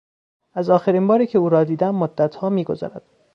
از آخرین باری که او را دیدم مدتها میگذرد.